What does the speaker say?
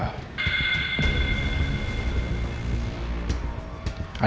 adik lo itu